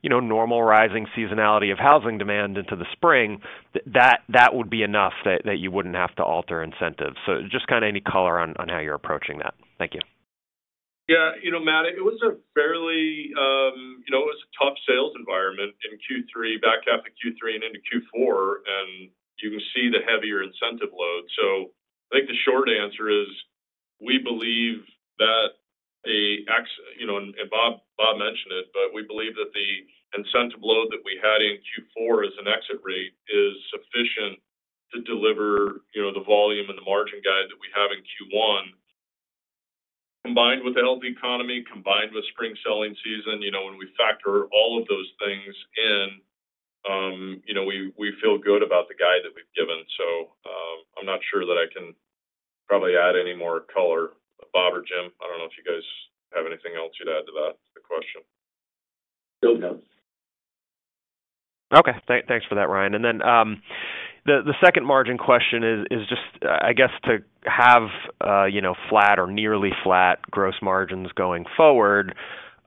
normal rising seasonality of housing demand into the spring, that would be enough that you wouldn't have to alter incentives? So just kind of any color on how you're approaching that. Thank you. Yeah, Matt, it was a fairly—it was a tough sales environment in Q3, back half of Q3 and into Q4, and you can see the heavier incentive load. So I think the short answer is we believe that, and Bob mentioned it, but we believe that the incentive load that we had in Q4 as an exit rate is sufficient to deliver the volume and the margin guide that we have in Q1, combined with a healthy economy, combined with spring selling season. When we factor all of those things in, we feel good about the guide that we've given. So I'm not sure that I can probably add any more color. Bob or Jim, I don't know if you guys have anything else you'd add to that question. No doubt. Okay. Thanks for that, Ryan. And then the second margin question is just, I guess, to have flat or nearly flat gross margins going forward,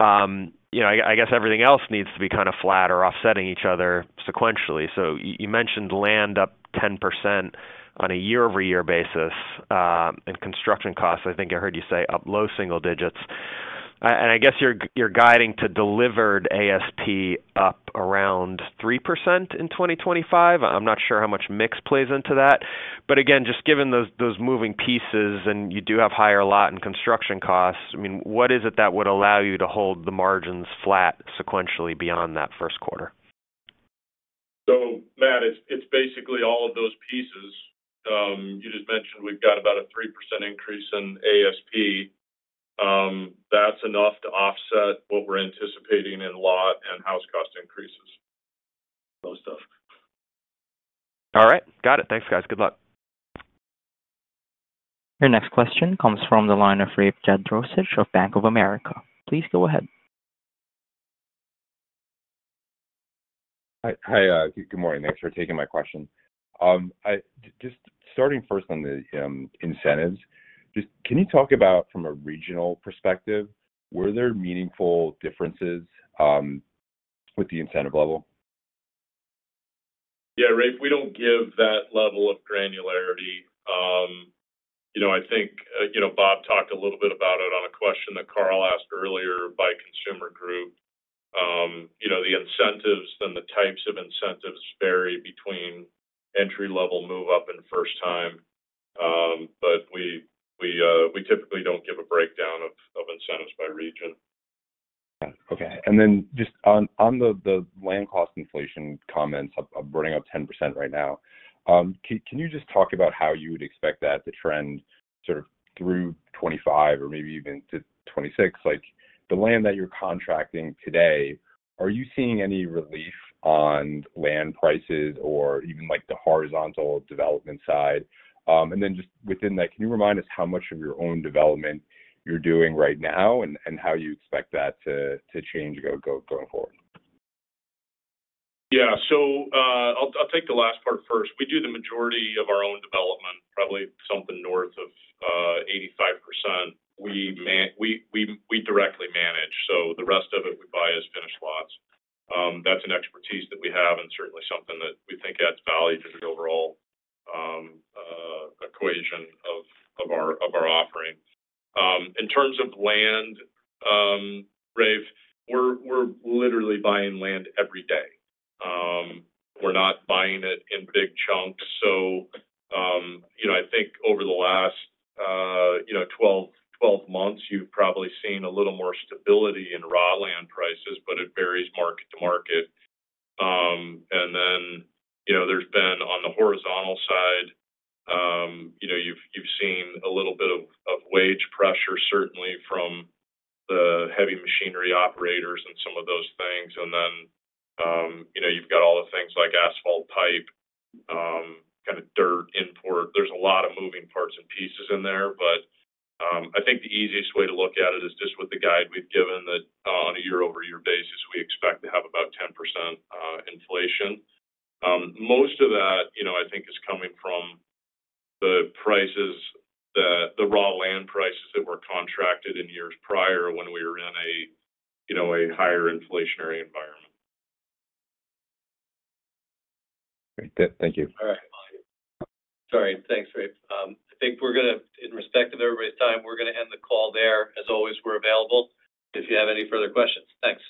I guess everything else needs to be kind of flat or offsetting each other sequentially. So you mentioned land up 10% on a year-over-year basis and construction costs. I think I heard you say up low single digits. And I guess you're guiding to delivered ASP up around 3% in 2025. I'm not sure how much mix plays into that. But again, just given those moving pieces and you do have higher lot and construction costs, I mean, what is it that would allow you to hold the margins flat sequentially beyond that first quarter? So Matt, it's basically all of those pieces. You just mentioned we've got about a 3% increase in ASP. That's enough to offset what we're anticipating in lot and house cost increases. Those stuff. All right. Got it. Thanks, guys. Good luck. Your next question comes from the line of Rafe Jadrosich of Bank of America. Please go ahead. Hi, good morning. Thanks for taking my question. Just starting first on the incentives, can you talk about, from a regional perspective, were there meaningful differences with the incentive level? Yeah, Rafe, we don't give that level of granularity. I think Bob talked a little bit about it on a question that Carl asked earlier by consumer group. The incentives and the types of incentives vary between entry-level move-up and first-time, but we typically don't give a breakdown of incentives by region. Okay. And then just on the land cost inflation comments, I'm running up 10% right now. Can you just talk about how you would expect that to trend sort of through 2025 or maybe even to 2026? The land that you're contracting today, are you seeing any relief on land prices or even the horizontal development side? Then just within that, can you remind us how much of your own development you're doing right now and how you expect that to change going forward? Yeah. So I'll take the last part first. We do the majority of our own development, probably something north of 85%. We directly manage. So the rest of it we buy as finished lots. That's an expertise that we have and certainly something that we think adds value to the overall equation of our offering. In terms of land, Rafe, we're literally buying land every day. We're not buying it in big chunks. So I think over the last 12 months, you've probably seen a little more stability in raw land prices, but it varies market to market. And then there's been, on the horizontal side, you've seen a little bit of wage pressure, certainly from the heavy machinery operators and some of those things. And then you've got all the things like asphalt, pipe, kind of dirt import. There's a lot of moving parts and pieces in there, but I think the easiest way to look at it is just with the guide we've given that on a year-over-year basis, we expect to have about 10% inflation. Most of that, I think, is coming from the raw land prices that were contracted in years prior when we were in a higher inflationary environment. Great. Thank you. All right. Sorry. Thanks, Rafe. I think we're going to, in respect of everybody's time, end the call there. As always, we're available if you have any further questions. Thanks.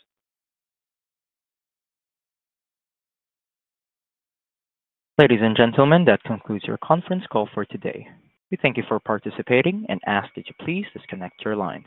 Ladies and gentlemen, that concludes your conference call for today. We thank you for participating and ask that you please disconnect your lines.